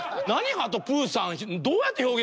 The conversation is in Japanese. あとプーさん。